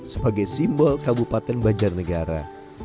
sebagai simbol kabupaten banjarnegara